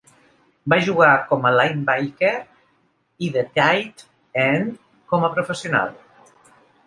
Va jugar com a linebacker i de tight end com a professional.